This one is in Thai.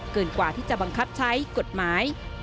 กว่าที่จะบังคับใช้กฎหมาย